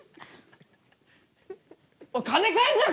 おい金返せよ